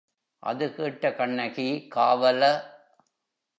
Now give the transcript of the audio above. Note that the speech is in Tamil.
அது கேட்ட கண்ணகி, காவல!